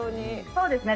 そうですね。